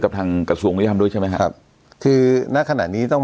ทางกระทรวงยุติธรรมด้วยใช่ไหมครับคือณขณะนี้ต้อง